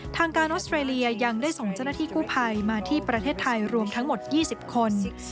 ทางการออสเตรเลียยังได้ส่งเจ้าหน้าที่กู้ภัยมาที่ประเทศไทยรวมทั้งหมด๒๐คน